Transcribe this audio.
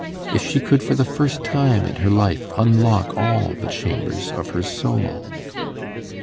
if she could for the first time in her life unlock all the chambers of her soul!